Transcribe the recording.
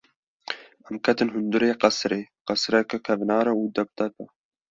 Em ketin hundirê qesirê; qesirekê kevnare û bi depdepe.